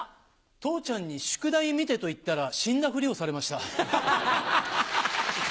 父ちゃんに「宿題見て」と言ったら死んだフリをされました。